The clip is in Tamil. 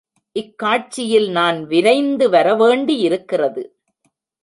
இக் காட்சியில் நான் விரைந்து வரவேண்டியிருக்கிறது.